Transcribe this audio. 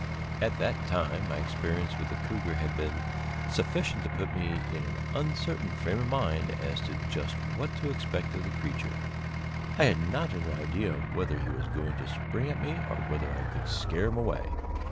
At that time my experience with the cougar had been sufficient to put me in an uncertain frame of mind as to just what to expect of the creature. I had not an idea whether he was going to spring at me or whether I could scare him away.